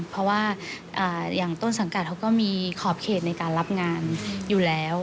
เพราะว่าอย่างต้นสังกัดเขาก็มีขอบเขตในการรับงานอยู่แล้ว